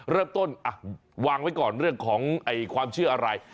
เริ่มต้นวางไว้ก่อนเรื่องของความเชื่ออะไร